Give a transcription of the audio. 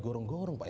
gudang orang pak ya